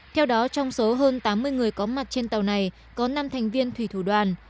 theo đó trong số hơn tám mươi người có mặt trên tàu này có năm thành viên thủy thủ đoàn